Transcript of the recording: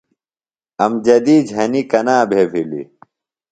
امجدی جھنیۡ کنا بھے بِھلیۡ؟